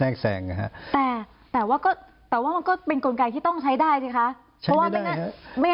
แต่ว่ามันก็เป็นกลไกรที่ต้องใช้ได้จริงคะ